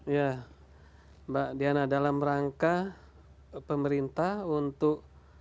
ya mbak diana dalam rangka pemerintah untuk